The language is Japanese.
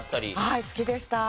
はい好きでした。